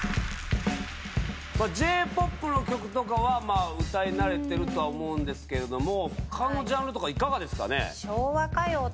Ｊ−ＰＯＰの曲とかは歌い慣れてるとは思うんですけれども他のジャンルとかいかがですかね？